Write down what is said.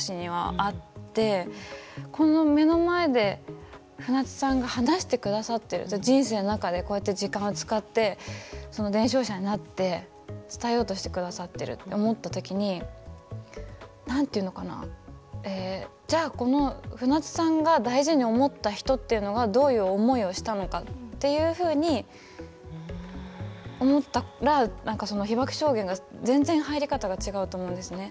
この目の前で船津さんが話してくださってる人生の中でこうやって時間を使ってその伝承者になって伝えようとしてくださってるって思ったときに何ていうのかなじゃあこの船津さんが大事に思った人っていうのがどういう思いをしたのかっていうふうに思ったら何かその被爆証言が全然入り方が違うと思うんですね。